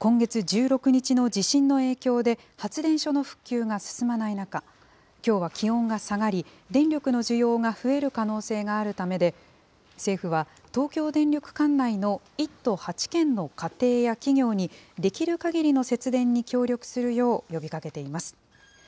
今月１６日の地震の影響で、発電所の復旧が進まない中、きょうは気温が下がり、電力の需要が増える可能性があるためで、政府は東京電力管内の１都８県の家庭や企業に、できるかぎりの節電に協力するよう呼びかけています。